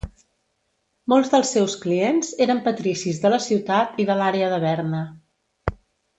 Molts dels seus clients eren patricis de la ciutat i de l'àrea de Berna.